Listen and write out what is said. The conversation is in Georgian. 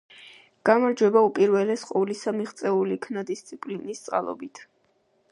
გამარჯვება, უპირველეს ყოვლისა, მიღწეულ იქნა დისციპლინის წყალობით.